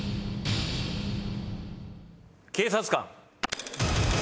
警察官。